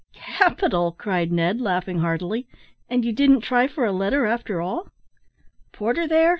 '" "Capital," cried Ned, laughing heartily; "and you didn't try for a letter after all?" "Porter there?"